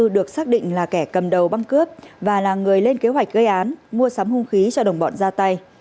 được xác định là kẻ cầm đầu băng cướp và là người lên kế hoạch gây án mua sắm hung khí cho đồng bọn ra tay